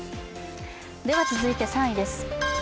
続いて３位です。